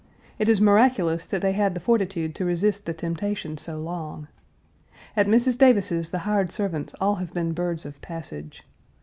It is miraculous that they had the fortitude to resist the temptation so long. At Mrs. Davis's the hired servants all have been birds of passage.